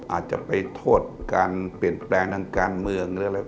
อาจจะไปโทษการเปลี่ยนแปลงทางการเมืองหรืออะไร